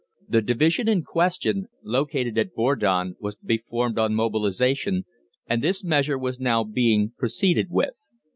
The division in question, located at Bordon, was to be formed on mobilisation, and this measure was now being proceeded with.